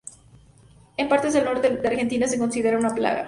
En partes del norte de Argentina, se considera una plaga.